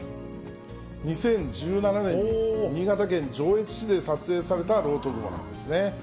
２０１７年に新潟県上越市で撮影された漏斗雲なんですね。